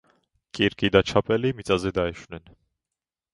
კირკი და ჩაპელი დაეშვნენ მიწაზე.